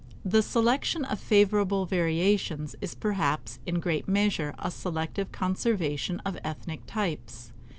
The selection of favorable variations is perhaps in great measure a selective conservation of ethnic types.